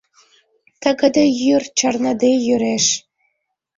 Тыгыде йӱр чарныде йӱреш.